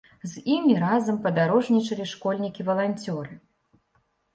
З імі разам падарожнічалі школьнікі-валанцёры.